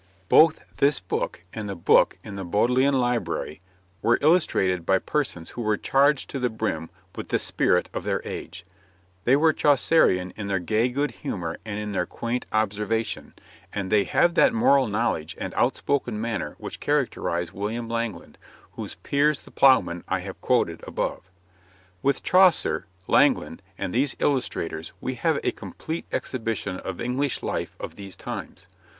] Both this book and the book in the Bodleian Library were illustrated by persons who were charged to the brim with the spirit of their age; they were Chaucerian in their gay good humour and in their quaint observation, and they have that moral knowledge and outspoken manner which characterize William Langland, whose 'Piers the Plowman' I have quoted above. With Chaucer, Langland, and these illuminators we have a complete exhibition of English life of these times.